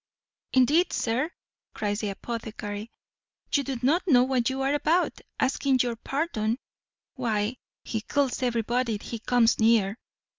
"Indeed, sir," cries the apothecary, "you do not know what you are about, asking your pardon; why, he kills everybody he comes near."